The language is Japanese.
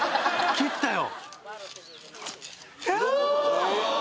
切ったよ